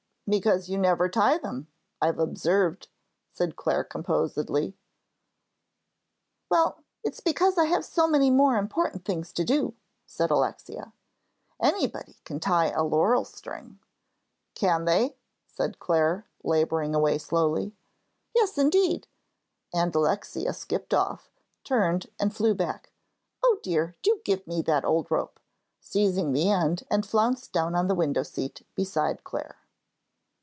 "Because you never tie them, I've observed," said Clare, composedly. "Well, it's because I have so many more important things to do," said Alexia. "Anybody can tie a laurel string." "Can they?" said Clare, laboring away slowly. "Yes, indeed," and Alexia skipped off, turned, and flew back. "O dear, do give me that old rope," seized the end, and flounced down on the window seat beside Clare.